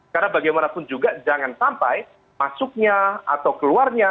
karena bagaimanapun juga jangan sampai masuknya atau keluarga